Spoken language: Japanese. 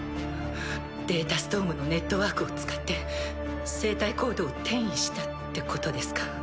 データストームのネットワークを使って生体コードを転移したってことですか？